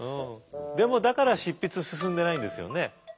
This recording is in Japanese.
でもだから執筆進んでないんですよね？